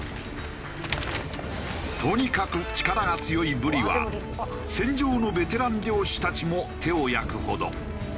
とにかく力が強いブリは船上のベテラン漁師たちも手を焼くほど。